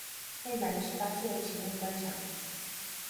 未滿十八歲請勿觀賞